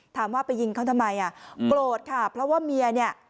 ถามว่าไปยิงเขาทำไมอ่ะโกรธค่ะเพราะว่าเมียเนี่ย